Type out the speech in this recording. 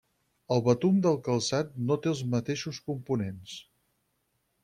El betum del calçat no té els mateixos components.